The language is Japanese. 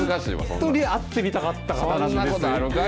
本当に会ってみたかった方なんです。